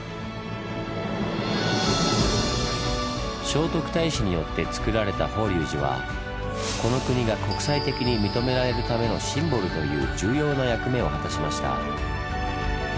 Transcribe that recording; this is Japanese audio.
聖徳太子によってつくられた法隆寺はこの国が国際的に認められるためのシンボルという重要な役目を果たしました。